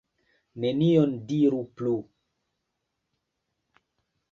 Nenion diru plu.